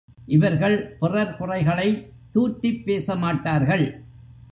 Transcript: இவர்கள் பிறர் குறைகளைத் தூற்றிப் பேச மாட்டார்கள்.